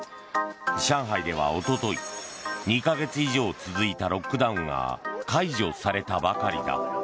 上海では一昨日、２か月以上続いたロックダウンが解除されたばかりだ。